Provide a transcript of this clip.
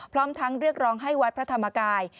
พร้อมทั้งเรียกร้องให้วัดพระธรรมกาย